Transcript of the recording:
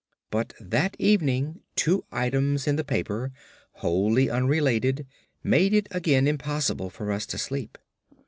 But that evening two items in the paper, wholly unrelated, made it again impossible for us to sleep.